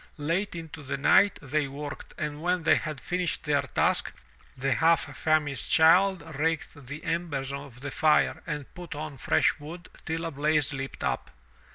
Late into the night they worked and when they had finished their task, the half famished child raked the embers of the fire and put on fresh wood till a blaze leaped up.